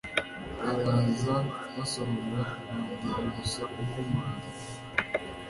baraza basohora Mandela gusa kuko Mandela